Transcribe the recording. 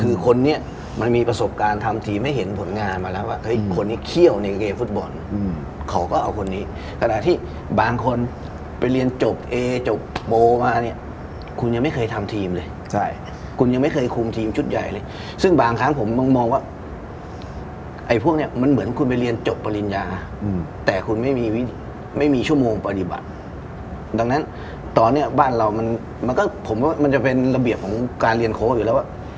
คือคนนี้มันมีประสบการณ์ทำทีมให้เห็นผลงานมาแล้วว่าเฮ้ยคนนี้เขี้ยวในเกมฟุตบอลอืมขอก็เอาคนนี้ขนาดที่บางคนไปเรียนจบเอจบโปมาเนี้ยคุณยังไม่เคยทำทีมเลยใช่คุณยังไม่เคยคุมทีมชุดใหญ่เลยซึ่งบางครั้งผมมองว่าไอ้พวกเนี้ยมันเหมือนคุณไปเรียนจบปริญญาอืมแต่คุณไม่มีไม่มีชั่ว